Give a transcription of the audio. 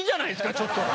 ちょっと。